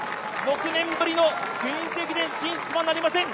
６年ぶりのクイーンズ駅伝進出はなりません。